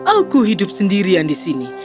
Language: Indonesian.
aku hidup sendirian di sini